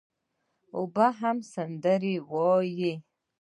اوبه هم سندري وايي.